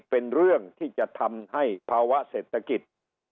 เป็นเรื่องที่จะทำให้ภาวะเศรษฐกิจ